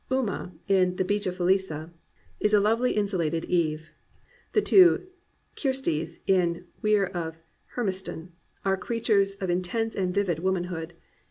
Uma, in The Beach of Falesa, is a lovely insulated Eve. The two Kirsties, in Weir of Hermiston, are creatures of in tense and vivid womanhood.